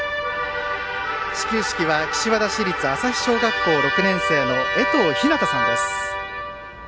始球式は岸和田市立旭小学校６年生の江藤陽向さんです。